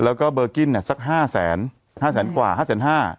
แล้วก็เบอร์กิ้นเนี่ยสักห้าแสนห้าแสนกว่าห้าแสนห้า